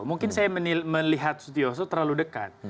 mungkin saya melihat sutioso terlalu dekat